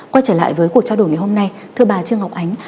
quay trở lại với cuộc trao đổi ngày hôm nay thưa bà trương ngọc ánh